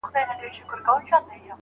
د غصې د پر حق کيدو معنی څه ده؟